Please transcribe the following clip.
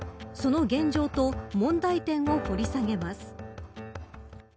その現状と問題点を掘り下げます。